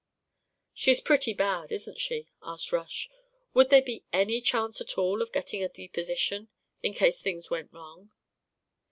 "She's pretty bad, isn't she?" asked Rush. "Would there be any chance at all of getting a deposition in case things went wrong?"